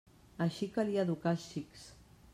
Així calia educar els xics.